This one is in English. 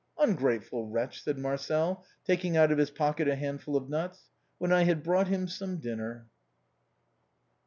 " Ungrateful wretch !" said Marcel, taking out of his pocket a handful of nuts ;" when I had brought him some dinner